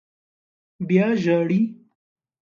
_بيا ژاړې!